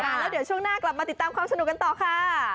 แล้วเดี๋ยวช่วงหน้ากลับมาติดตามความสนุกกันต่อค่ะ